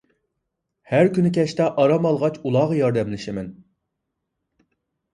ھەر كۈنى كەچتە ئارام ئالغاچ ئۇلارغا ياردەملىشىمەن.